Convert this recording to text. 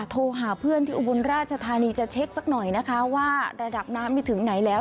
โทรหาเพื่อนที่อุบลราชธานีจะเช็คสักหน่อยนะคะว่าระดับน้ำไม่ถึงไหนแล้ว